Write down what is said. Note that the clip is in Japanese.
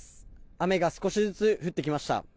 雨が少しずつ降ってきました。